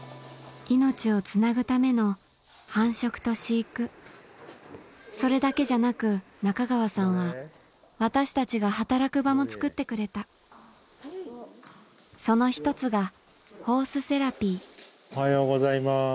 命をつなぐためのそれだけじゃなく中川さんは私たちが働く場もつくってくれたその１つがおはようございます。